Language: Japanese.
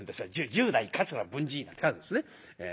「十代桂文治」なんて書くんですね。